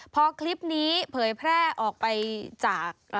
พอคลิปนี้เผยแพร่ออกไปจาก